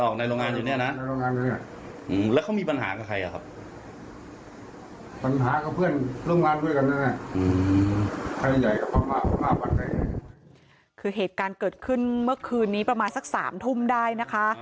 คือเหตุการณ์เกิดขึ้นเมื่อคืนนี้ประมาณสัก๓ทุ่มได้นะคะ